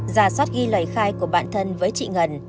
giả soát ghi lời khai của bản thân với chị ngân